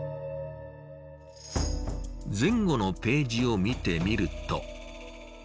前後のページを見てみると。